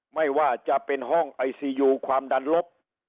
ไม่ว่าจะเป็นห้องไอซียูความดันลบ